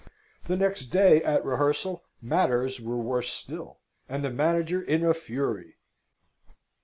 The next day, at rehearsal, matters were worse still, and the manager in a fury.